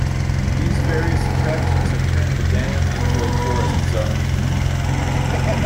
These various attractions have turned the Dam into a tourist zone.